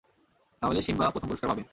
তাহলে সিম্বা প্রথম পুরষ্কার পাবে।